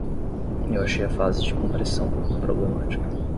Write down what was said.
Eu achei a fase de compressão problemática.